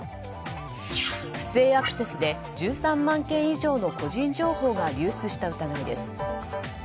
不正アクセスで１３万件以上の個人情報が流出した疑いです。